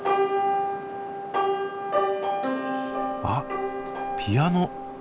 あっピアノ。